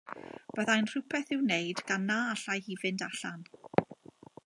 Byddai'n rhywbeth i'w wneud gan na allai hi fynd allan.